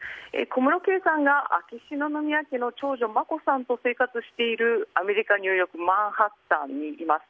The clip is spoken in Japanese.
小室圭さんが秋篠宮家の長女眞子さんと生活しているアメリカ・ニューヨークマンハッタンにいます。